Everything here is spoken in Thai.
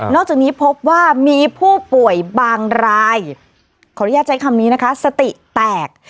จากนี้พบว่ามีผู้ป่วยบางรายขออนุญาตใช้คำนี้นะคะสติแตก